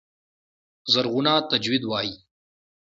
زرغونه تجوید وايي.